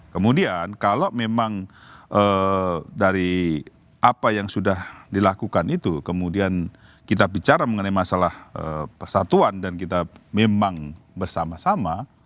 kemudian kalau memang dari apa yang sudah dilakukan itu kemudian kita bicara mengenai masalah persatuan dan kita memang bersama sama